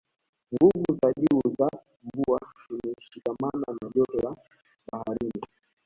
nguvu za juu za mvua zimeshikamana na joto la baharini